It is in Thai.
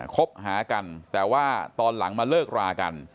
คบหากันแต่ว่าตอนหลังมาเลิกรากัน